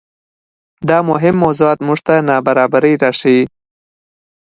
دا مهم موضوعات موږ ته نابرابرۍ راښيي.